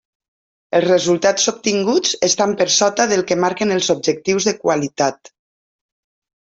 Els resultats obtinguts estan per sota del que marquen els objectius de qualitat.